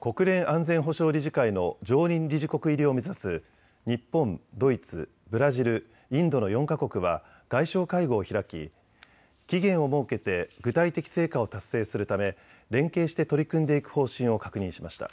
国連安全保障理事会の常任理事国入りを目指す日本、ドイツ、ブラジル、インドの４か国は外相会合を開き期限を設けて具体的成果を達成するため連携して取り組んでいく方針を確認しました。